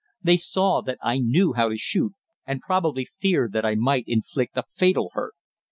They saw that I knew how to shoot, and probably feared that I might inflict a fatal hurt.